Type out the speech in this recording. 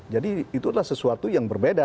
jadi itu adalah sesuatu yang berbeda